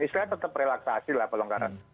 istilahnya tetap relaksasi lah pelonggaran